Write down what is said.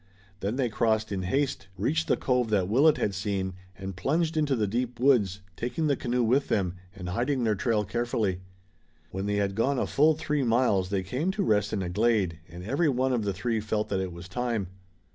Then they crossed in haste, reached the cove that Willet had seen, and plunged into the deep woods, taking the canoe with them, and hiding their trail carefully. When they had gone a full three miles they came to rest in a glade, and every one of the three felt that it was time.